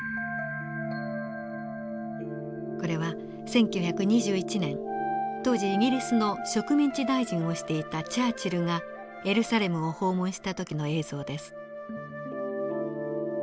これは１９２１年当時イギリスの植民地大臣をしていたチャーチルがエルサレムを訪問した時の映像です。